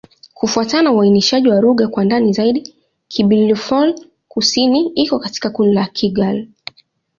Kufuatana na uainishaji wa lugha kwa ndani zaidi, Kibirifor-Kusini iko katika kundi la Kigur.